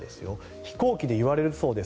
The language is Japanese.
飛行機で言われるそうです。